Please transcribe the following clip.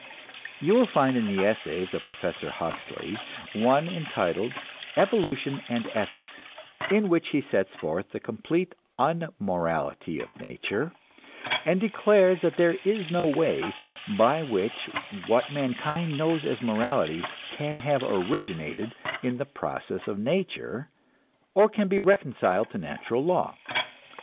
You will find in the essays of Professor Huxley, one entitled "Evolution and Ethics," in which he sets forth the complete unmorality of nature, and declares that there is no way by which what mankind knows as morality can have originated in the process of nature or can be reconciled to natural law.